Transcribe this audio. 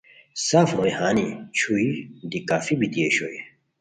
سف روئے ہانی چھوئی دی کافی بیتی اوشوئے